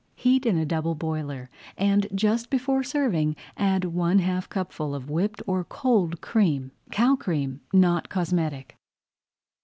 [Page 27] Heat in a double boiler, and just before serving add one half cupful of whipped or cold cream. (Cow cream, not cosmetic.)